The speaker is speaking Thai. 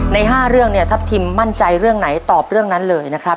ใน๕เรื่องเนี่ยทัพทิมมั่นใจเรื่องไหนตอบเรื่องนั้นเลยนะครับ